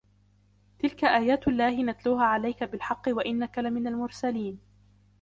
تلك آيات الله نتلوها عليك بالحق وإنك لمن المرسلين